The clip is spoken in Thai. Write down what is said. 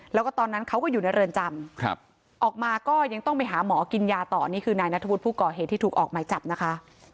แล้วก็ตอนนั้นเขาก็อยู่ในเรือนจำออกมาก็ยังต้องไปหาหมอกินยาต่อนี่คือนายนัทธวุฒิผู้ก่อเหตุที่ถูกออกหมายจับนะคะ